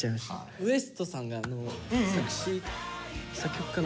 ＷＥＳＴさんが作詞作曲かな？